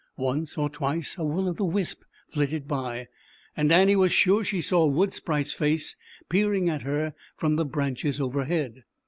Once or twice a will o the wisp flitted by, and Annie was sure she saw a Wood Sprite's face peer ing at her from the branches overhead.